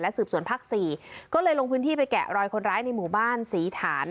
สืบสวนภาคสี่ก็เลยลงพื้นที่ไปแกะรอยคนร้ายในหมู่บ้านศรีฐาน